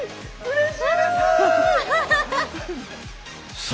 うれしいです！